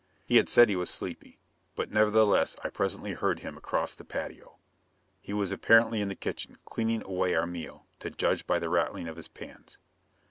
He had said he was sleepy, but nevertheless I presently heard him across the patio. He was apparently in the kitchen, cleaning away our meal, to judge by the rattling of his pans.